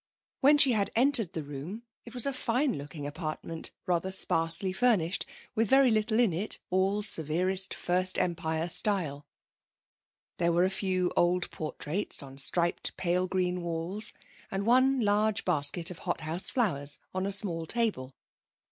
When she had entered the room, it was a fine looking apartment, rather sparsely furnished, with very little in it, all severest First Empire style. There were a few old portraits on striped pale green walls, and one large basket of hot house flowers on a small table.